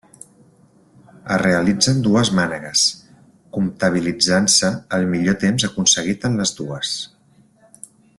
Es realitzen dues mànegues, comptabilitzant-se el millor temps aconseguit en les dues.